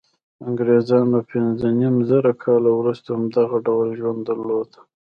انګرېزانو پنځه نیم زره کاله وروسته هم دغه ډول ژوند درلود.